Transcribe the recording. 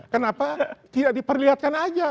kenapa tidak diperlihatkan saja